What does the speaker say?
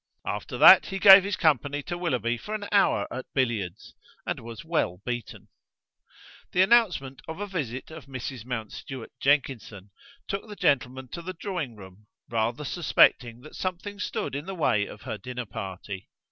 After that, he gave his company to Willoughby for an hour at billiards, and was well beaten. The announcement of a visit of Mrs. Mountstuart Jenkinson took the gentlemen to the drawing room, rather suspecting that something stood in the way of her dinner party.